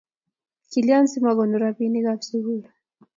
kilyan simakonu robikab sukul?